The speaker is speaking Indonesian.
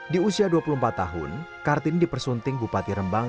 di usia dua puluh empat tahun kartini dipersunting bupati rembang